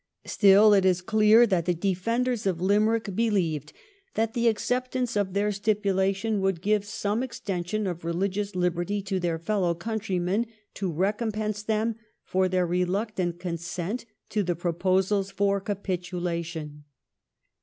StiU, it is clear that the defenders of Limerick believed that the acceptance of their stipulation would give some extension of religious liberty to their fellow countrymen to recompense them for their reluctant consent to the proposals for capitulation.